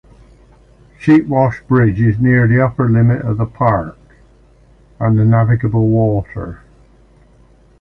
Sheepwash Bridge is near the upper limit of the park and the navigable water.